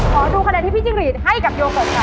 ขอดูคะแนนที่พี่จรีย์ให้กับโยเกิร์ตค่ะ